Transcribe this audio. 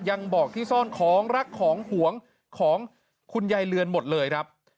ยังบอกที่ซ่อนของรักของหวงของคุณยายเรือนหมดเลยครับ